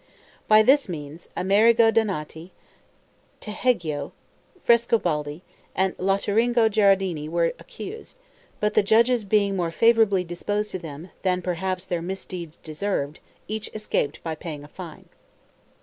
By this means, Amerigo Donati, Teghiajo, Frescobaldi, and Lotteringo Gherardini were accused; but, the judges being more favorably disposed to them than, perhaps, their misdeeds deserved, each escaped by paying a fine.